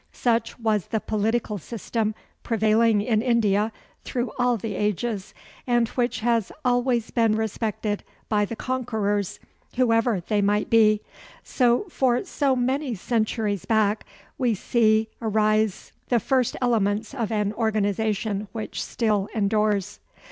Such was the political system prevailing in India through all the ages, and which has always been respected by the conquerors, whoever they might be. So, for so many centuries back we see arise the first elements of an organization which still endures.